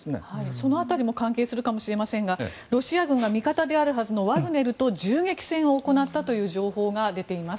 その辺りも関係するかもしれませんがロシア軍が見方であるはずのワグネルと銃撃戦を行ったという情報が出ています。